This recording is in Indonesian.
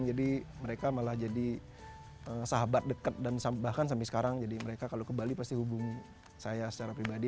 jadi mereka malah jadi sahabat dekat dan bahkan sampai sekarang jadi mereka kalau ke bali pasti hubung saya secara pribadi